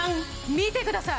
見てください！